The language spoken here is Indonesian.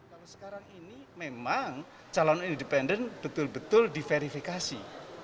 kalau sekarang ini memang calon independen betul betul diverifikasi